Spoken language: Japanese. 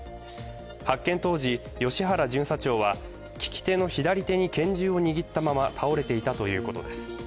発見当時、吉原巡査長は利き手の左手に拳銃を握ったまま倒れていたということです。